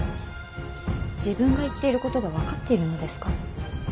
自分が言っていることが分かっているのですか。